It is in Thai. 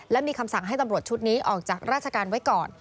และมีคำสั่งให้ตำรวจชุดนี้ออกจากราชการไว้ก่อน